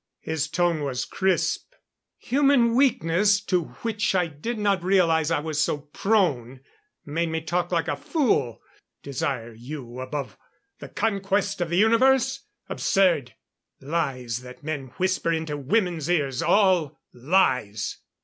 His tone was crisp. "Human weakness to which I did not realize I was so prone made me talk like a fool. Desire you above the conquest of the universe? Absurd! Lies that men whisper into women's ears! All lies!"